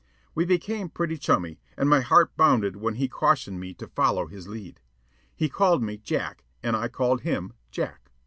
We became pretty chummy, and my heart bounded when he cautioned me to follow his lead. He called me "Jack," and I called him "Jack."